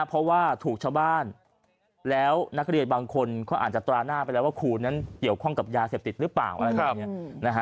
เพราะว่าถูกชาวบ้านแล้วนักเรียนบางคนเขาอาจจะตราหน้าไปแล้วว่าครูนั้นเกี่ยวข้องกับยาเสพติดหรือเปล่าอะไรแบบนี้นะฮะ